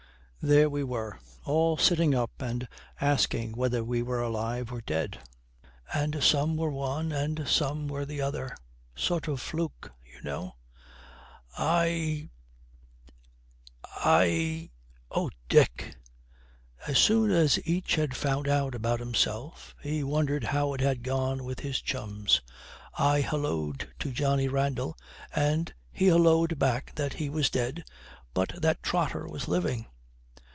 There we were, all sitting up and asking whether we were alive or dead; and some were one, and some were the other. Sort of fluke, you know.' 'I I oh, Dick!' 'As soon as each had found out about himself he wondered how it had gone with his chums, I halloo'd to Johnny Randall, and he halloo'd back that he was dead, but that Trotter was living.